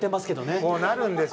そうなるんですよ。